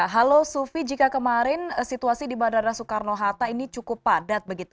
halo sufi jika kemarin situasi di bandara soekarno hatta ini cukup padat begitu